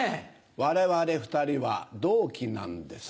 われわれ２人は同期なんです。